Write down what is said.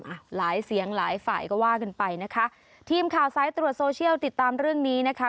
อ่ะหลายเสียงหลายฝ่ายก็ว่ากันไปนะคะทีมข่าวสายตรวจโซเชียลติดตามเรื่องนี้นะคะ